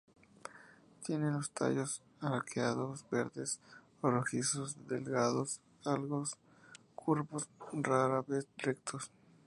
Tiene los tallos arqueados, verdes o rojizos, delgados, algo curvos, rara vez rectos.